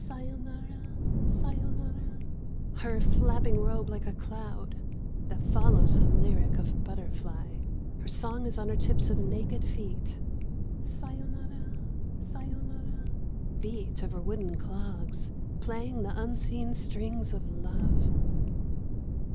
Sayonara, sayonara .•• Her flapping robe like a cloud That follows a lyric of butterfly ! Her song is on her tips of naked feet. Sayonara, sayonara .•• Beat of her wooden clogs Playing the unseen strings of love